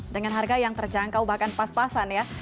dengan harga yang terjangkau bahkan pas pasan ya